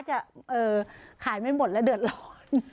จะขายไม่หมดและเดือดร้อน